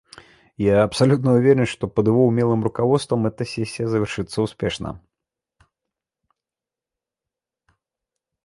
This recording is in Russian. Я абсолютно уверен, что под его умелым руководством эта сессия завершится успешно.